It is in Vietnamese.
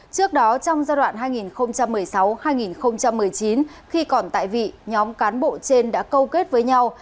trước đó trong giai đoạn hai nghìn một mươi sáu hai nghìn một mươi chín khi còn tại vị nhóm cán bộ trên đã câu kết với nhau